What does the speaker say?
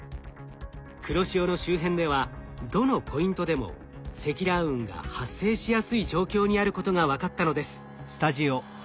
黒潮の周辺ではどのポイントでも積乱雲が発生しやすい状況にあることが分かったのです。